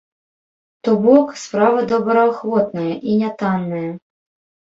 То бок, справа добраахвотная і нятанная.